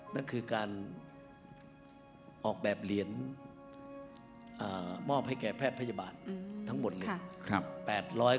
นั่นคือการออกแบบเหรียญมอบให้แก่แพทย์พยาบาลทั้งหมดเลย